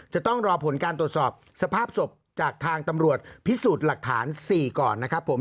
จะต้องรอผลการตรวจสอบสภาพศพจากทางตำรวจพิสูจน์หลักฐาน๔ก่อนนะครับผม